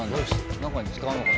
何かに使うのかな？